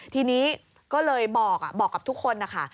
ทีนี้ก็เลยบอกอ่ะบอกกับทุกคนนะค่ะ